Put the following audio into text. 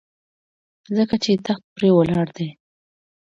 ځکه چې تخت پرې ولاړ دی.